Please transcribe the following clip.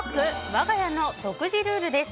我が家の独自ルールです。